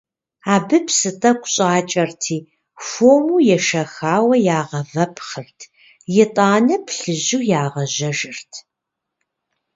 Абы псы тӏэкӏу щӏакӏэрти, хуэму ешэхауэ, ягъэвэпхъырт, итӏанэ плъыжьу ягъэжьэжырт.